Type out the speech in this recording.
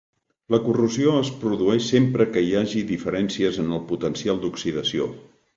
La corrosió es produeix sempre que hi hagi diferències en el potencial d'oxidació.